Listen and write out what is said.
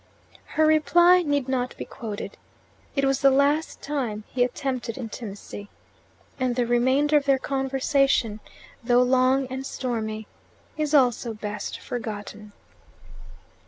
Her reply need not be quoted. It was the last time he attempted intimacy. And the remainder of their conversation, though long and stormy, is also best forgotten.